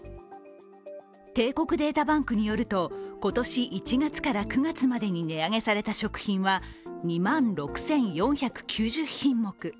帝国データバンクによると、今年１月から９月までに値上げされた食品は２万６４９０品目。